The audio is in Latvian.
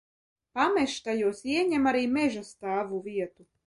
Pamežs tajos ieņem arī meža stāvu vietu.